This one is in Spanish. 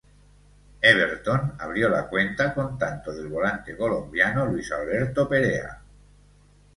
Everton abrió la cuenta con tanto del volante colombiano Luis Alberto Perea.